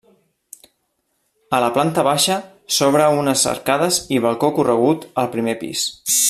A la planta baixa s'obre unes arcades i balcó corregut al primer pis.